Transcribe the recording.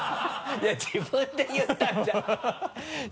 いや自分で言ったんじゃん